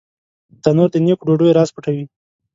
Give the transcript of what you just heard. تنور د نیکو ډوډیو راز پټوي